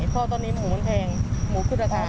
เพราะตอนนี้หมูมันแพงหมูคือราคา